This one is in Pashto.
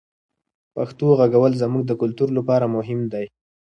پښتو غږول زموږ د کلتور لپاره مهم دی.